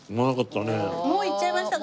もういっちゃいましたか？